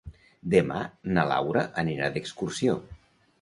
Demà na Laura anirà d'excursió.